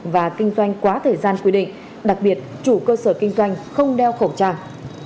và kinh doanh quá thời gian quy định đặc biệt chủ cơ sở kinh doanh không đeo khẩu trang